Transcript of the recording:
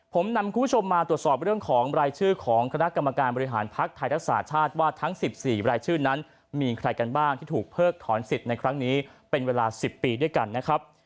ผมนำคุณผู้ชมมาตรวจสอบเรื่องของรายชื่อของคณะกรรมการบริหารภักดิ์ไทยรักษาชาติว่าทั้ง๑๔รายชื่อนั้นมีใครกันบ้างที่ถูกเพิกถอนสิทธิ์ในครั้งนี้เป็นเวลา๑๐ปีด้วยกันนะครับ